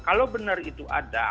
kalau benar itu ada